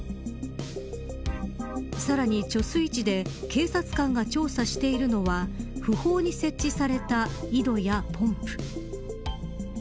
さらに貯水池で警察官が調査しているのは不法に設置された井戸やポンプ。